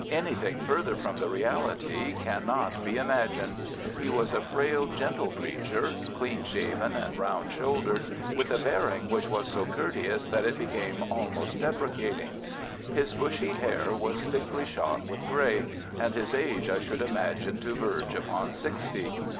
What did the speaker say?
Anything further from the reality cannot be imagined. He was a frail, gentle creature, clean shaven and round shouldered, with a bearing which was so courteous that it became almost deprecating. His bushy hair was thickly shot with grey, and his age I should imagine to verge upon sixty.